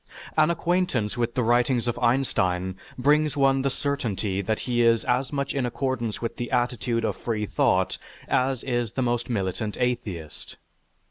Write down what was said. An acquaintance with the writings of Einstein brings one the certainty that he is as much in accordance with the attitude of freethought as is the most militant atheist.